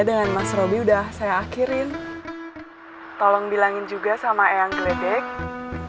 dengan mas roby udah saya akhirin tolong bilangin juga sama ayang gledek terima kasih atas nama lo